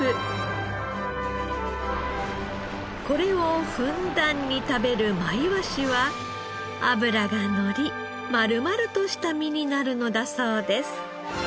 これをふんだんに食べるまいわしは脂がのり丸々とした身になるのだそうです。